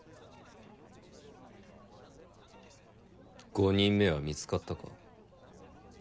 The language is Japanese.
５人目は見つかったか？